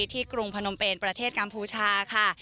กรุงพนมเป็นประเทศกัมพูชาค่ะ